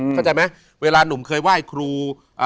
เข้าใจไหมเวลาหนุ่มเคยไหว้ครู